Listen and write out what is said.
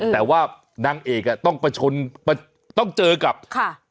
แต่ว่านางเอกอ่ะต้องประชนต้องเจอกับค่ะ